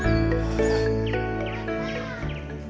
jangan lupa subscribe channel tujuh